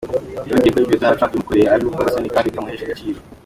Yongeye ko ibyo Donald Trump yamukoreye ari urukozasoni kandi bitamuhesha agaciro.